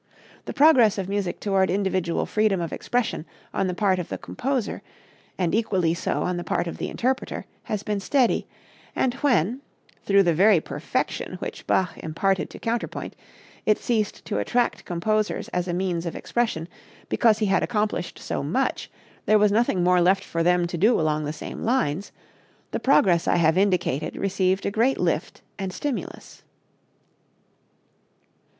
The progress of music toward individual freedom of expression on the part of the composer, and equally so on the part of the interpreter, has been steady, and when, through the very perfection which Bach imparted to counterpoint, it ceased to attract composers as a means of expression because he had accomplished so much there was nothing more left for them to do along the same lines, the progress I have indicated received a great lift and stimulus.